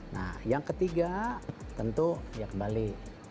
nah yang ketiga tentu ya kembali